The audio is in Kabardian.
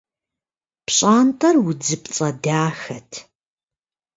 ПщӀантӀэр удзыпцӀэ дахэт.